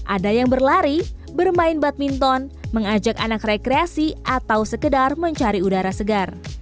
ada yang berlari bermain badminton mengajak anak rekreasi atau sekedar mencari udara segar